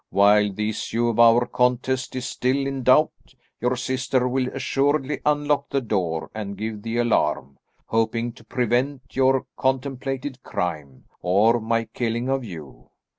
While the issue of our contest is still in doubt, your sister will assuredly unlock the door and give the alarm, hoping to prevent your contemplated crime, or my killing of you.